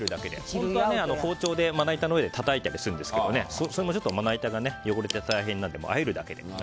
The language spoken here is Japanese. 本当は、まな板の上で包丁でたたいたりするんですがまな板が汚れて大変なのであえるだけで。